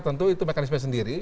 tentu itu mekanisme sendiri